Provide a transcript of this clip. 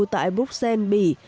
tại bruxelles mỹ